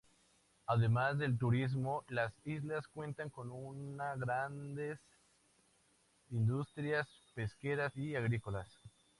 Además del turismo, las islas cuentan con una grandes industrias pesqueras y agrícolas.